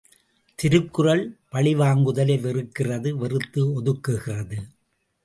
திருக்குறள் பழிவாங்குதலை வெறுக்கிறது வெறுத்து ஒதுக்குகிறது.